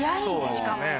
しかもね。